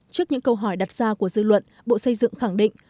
trước những câu hỏi đặt ra của dư luận bộ xây dựng khẳng định